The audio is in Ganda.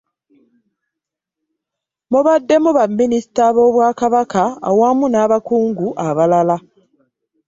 Mubaddemu ba minisita b'obwakabaka awamu n'abakungu abalala